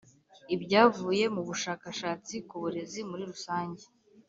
ibyavuye mu bushakashatsi ku burezi muri rusange